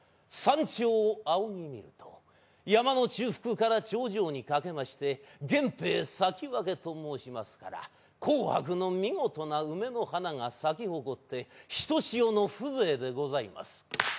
山頂を仰ぎ見ると山の中腹から中央にかけまして源平咲き分けと申しますから紅白の見事な梅の花が咲き誇ってひとしおの風情でございます。